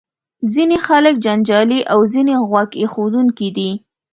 ځینې خلک جنجالي او ځینې غوږ ایښودونکي دي.